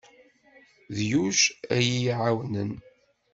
D Yuc ay aɣ-iɛawnen.